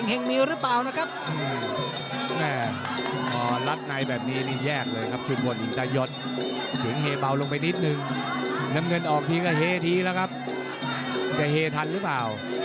กริ้นกันในช่วงปลายกที่๔เนี่ยนะ